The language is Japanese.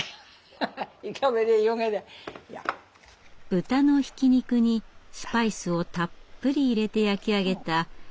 豚のひき肉にスパイスをたっぷり入れて焼き上げたポルペトーネ。